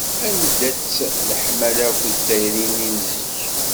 Anda-tt leḥmala akked tayri-nni n zik?